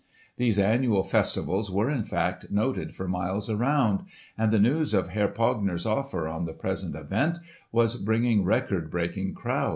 These annual festivals were in fact noted for miles around; and the news of Herr Pogner's offer on the present event was bringing record breaking crowds.